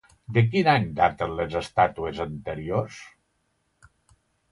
De quin any daten les estàtues anteriors?